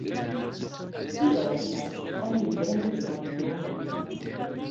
Tio estas oni perdis la duonon.